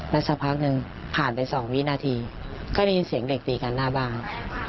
แล้วสักพักหนึ่งผ่านไป๒วินาทีก็ได้ยินเสียงเด็กตีกันหน้าบ้าน